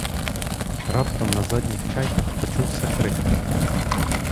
Раптом на задніх чайках почувся крик.